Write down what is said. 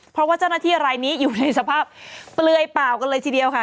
เพราะว่าเจ้าหน้าที่รายนี้อยู่ในสภาพเปลือยเปล่ากันเลยทีเดียวค่ะ